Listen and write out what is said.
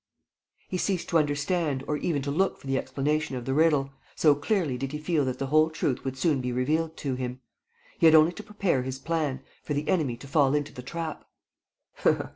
He ceased to understand or even to look for the explanation of the riddle, so clearly did he feel that the whole truth would soon be revealed to him. He had only to prepare his plan, for the enemy to fall into the trap.